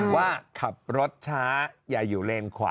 ว่าขับรถช้าอย่าอยู่เลนขวา